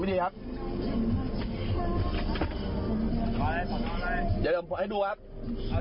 นี่จะเอาไงกับกู